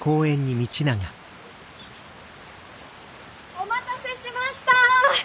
お待たせしました！